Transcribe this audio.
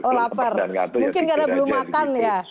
oh lapar mungkin karena belum makan ya